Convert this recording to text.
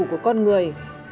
của con người